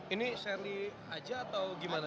ini shirly aja atau gimana